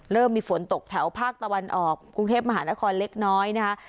มีฝนตกแถวภาคตะวันออกกรุงเทพมหานครเล็กน้อยนะคะ